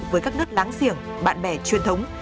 với các nước láng giềng bạn bè truyền thống